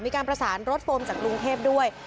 มีการประสานรถโฟมจากกรุงเทพด้วย